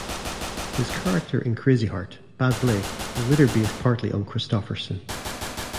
His character in "Crazy Heart", Bad Blake, was later based partly on Kristofferson.